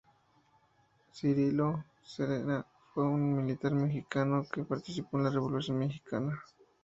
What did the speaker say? Cirilo Serna fue un militar mexicano que participó en la Revolución mexicana.